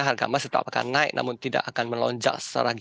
harga emas tetap akan naik namun tidak akan melonjak secara gila gilaan gitu